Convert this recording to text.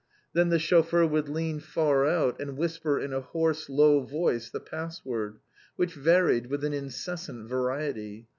Then the chauffeur would lean far out, and whisper in a hoarse, low voice, the password, which varied with an incessant variety.